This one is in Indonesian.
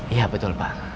iya betul pak